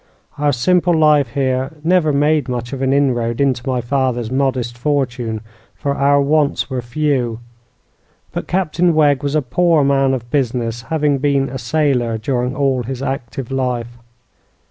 Our simple life here never made much of an inroad into my father's modest fortune; for our wants were few; but Captain Wegg was a poor man of business, having been a sailor during all his active life.